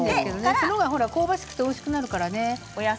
その方が香ばしくておいしくなるからね。